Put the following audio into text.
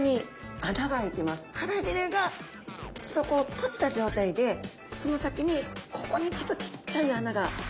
腹びれがちょっとこう閉じた状態でその先にここにちっちゃい穴があいてるんですね。